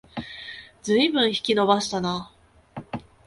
ずいぶん引き延ばしたな